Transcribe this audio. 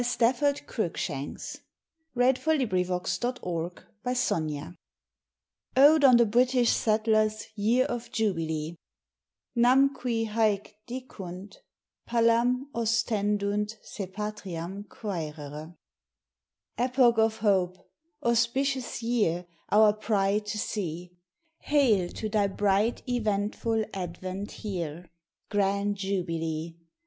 Stafford Cruikshanks. ODE ON THE BRITISH SETTLERS' YEAR OF JUBILEE. NAM QUI HŒC DICUNT, PALAM OSTENDUNT SE PATRIAM QUŒRERE. Epoch of hope! Auspicious year; Our pride to see; Hail to thy bright eventful advent here Grand Jubilee!